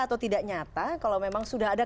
atau tidak nyata kalau memang sudah ada